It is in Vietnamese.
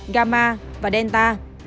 gamma và delta